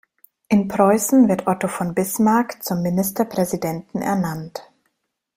In Preußen wird Otto von Bismarck zum Ministerpräsidenten ernannt.